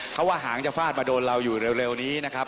เขาว่าหางจะฟาดมาโดนเราอยู่เร็วนี้นะครับ